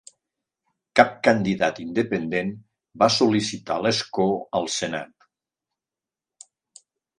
Cap candidat independent va sol·licitar l'escó al Senat.